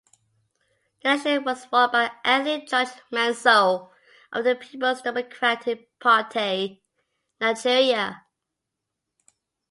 The election was won by Anthony George Manzo of the Peoples Democratic Party (Nigeria).